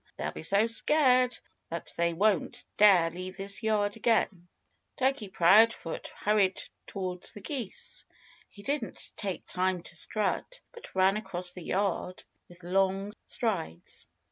They'll be so scared that they won't dare leave this yard again." Turkey Proudfoot hurried towards the geese. He didn't take time to strut, but ran across the yard with long strides.